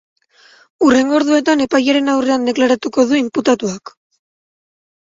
Hurrengo orduetan epailearen aurrean deklaratuko du imputatuak.